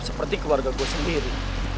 seperti keluarga gue sendiri